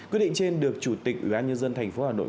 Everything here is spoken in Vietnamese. quyết định trên được chủ tịch ủy ban nhân dân thành phố hà nội